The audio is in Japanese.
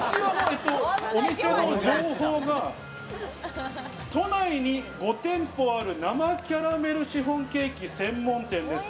お店の情報が、都内に５店舗ある生キャラメルシフォンケーキ専門店です。